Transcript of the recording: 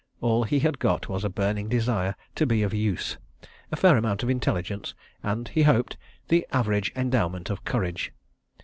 All he had got was a burning desire to be of use, a fair amount of intelligence, and, he hoped, the average endowment of courage.